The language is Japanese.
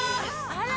あら！